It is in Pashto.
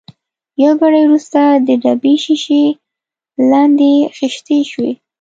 یو ګړی وروسته د ډبې شېشې لندې خېشتې شوې.